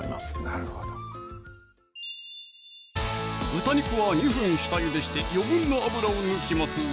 なるほど豚肉は２分下ゆでして余分な脂を抜きますぞ